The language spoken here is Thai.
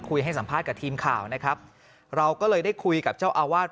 ให้สัมภาษณ์กับทีมข่าวนะครับเราก็เลยได้คุยกับเจ้าอาวาส